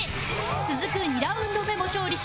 続く２ラウンド目も勝利し